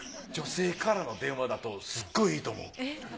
女性からの電話だとすっごいいいと思う。